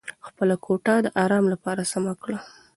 خپله کوټه د ارام لپاره سمه کړه.